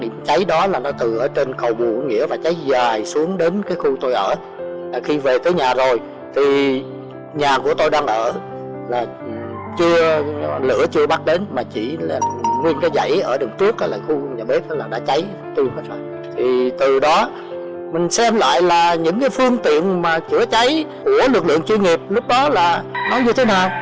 mình xem lại là những phương tiện chữa cháy của lực lượng chuyên nghiệp lúc đó là nó như thế nào